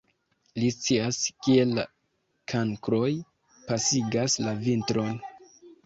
Li scias, kie la kankroj pasigas la vintron.